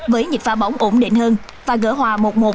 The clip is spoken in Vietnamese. với nhịp pha bóng ổn định hơn và gỡ hòa một một